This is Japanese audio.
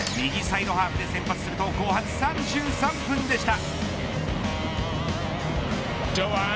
右サイドハーフで先発すると後半３３分でした。